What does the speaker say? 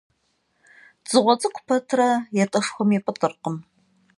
Dzığue ts'ık'ure pet 'eteşşxuem yip'ıt'ırkhım.